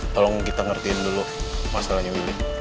tolong kita ngertiin dulu masalahnya dulu